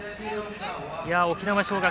沖縄尚学